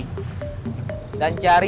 sudah di sini